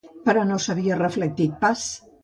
Però no s'havia reflectit pas